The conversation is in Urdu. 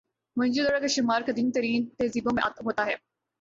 موئن جو دڑو کا شمار قدیم ترین تہذیبوں میں ہوتا ہے